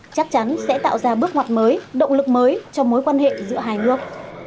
chắc chắn sẽ tạo ra bước ngoặt mới động lực mới cho mối quan hệ giữa hai nước